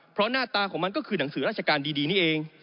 เพราะหน้าตาของมันก็คือหนังสือราชการดีนี่เอง